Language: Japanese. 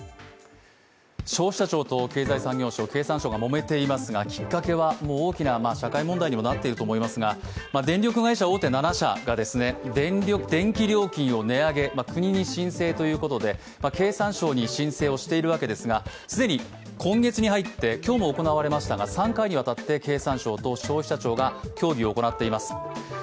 消費者庁と経産省がもめていますが、きっかけは大きな社会問題にもなっていると思いますが電力会社大手７社が電気料金を値上げ、国に申請ということで経産省に申請しているわけですが既に今月に入って既に３回、経産省と消費者庁が協議を行っています。